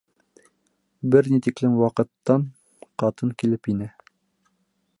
Бер ни тиклем ваҡыттан ҡатын килеп инә.